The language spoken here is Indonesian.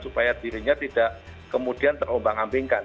supaya dirinya tidak kemudian terombang ambingkan